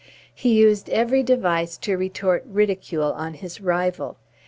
He used every device to retort ridicule on his rival.